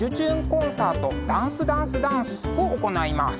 コンサートダンスダンスダンス」を行います。